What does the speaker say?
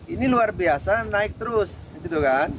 ini luar biasa naik terus gitu kan